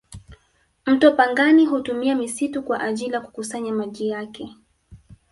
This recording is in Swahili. mto pangani hutumia misitu kwa ajili ya kukusanya maji yake